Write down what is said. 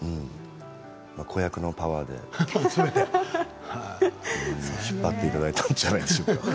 子役のパワーで引っ張っていただいたんじゃないでしょうか。